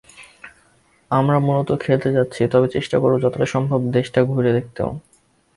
আমরা মূলত খেলতে যাচ্ছি, তবে চেষ্টা করব যতটা সম্ভব দেশটা ঘুরে দেখতেও।